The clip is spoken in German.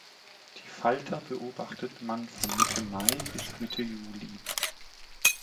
Die Falter beobachtet man von Mitte Mai bis Mitte Juli.